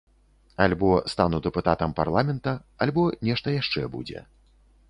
Альбо стану дэпутатам парламента, альбо нешта яшчэ будзе.